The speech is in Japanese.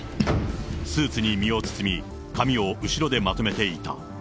スーツに身を包み、髪を後ろでまとめていた。